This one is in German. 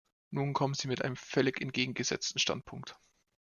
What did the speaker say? Nun kommen Sie mit einem völlig entgegengesetzten Standpunkt.